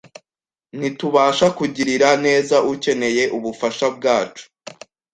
ntitubasha kugirira neza ukeneye ubufasha bwacu